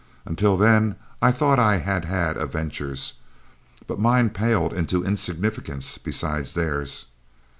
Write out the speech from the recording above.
Until then I thought I had had adventures, but mine paled into insignificance beside theirs.